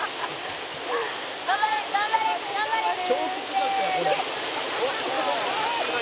「頑張れ頑張れ頑張れ！せーの！」